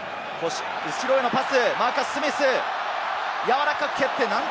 後ろへのパス。